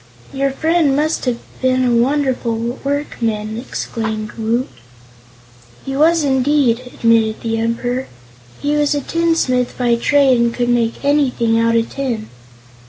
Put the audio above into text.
"Your friend must have been a wonderful workman!" exclaimed Woot. "He was, indeed," admitted the Emperor. "He was a tinsmith by trade and could make anything out of tin.